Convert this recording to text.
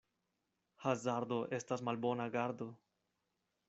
Hazardo estas malbona gardo.